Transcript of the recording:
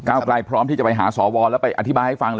ไกลพร้อมที่จะไปหาสวแล้วไปอธิบายให้ฟังเลย